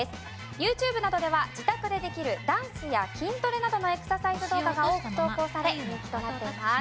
ＹｏｕＴｕｂｅなどでは自宅でできるダンスや筋トレなどのエクササイズ動画が多く投稿され人気となっています。